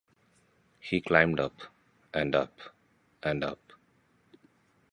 He climbed up, and up, and up.